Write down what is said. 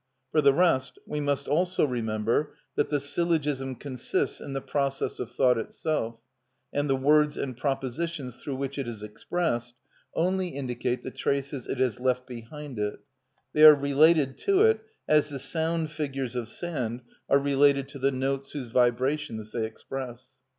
For the rest, we must also remember that the syllogism consists in the process of thought itself, and the words and propositions through which it is expressed only indicate the traces it has left behind it—they are related to it as the sound figures of sand are related to the notes whose vibrations they express.